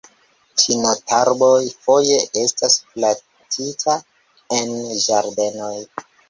Ĉinotarboj foje estas plantita en ĝardenoj.